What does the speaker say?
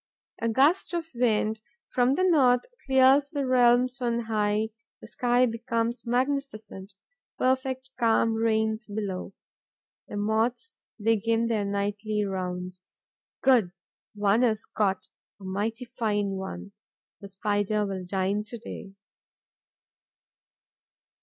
A gust of wind from the north clears the realms on high; the sky becomes magnificent; perfect calm reigns below. The Moths begin their nightly rounds. Good! One is caught, a mighty fine one. The Spider will dine to day.